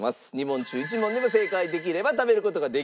２問中１問でも正解できれば食べる事ができます。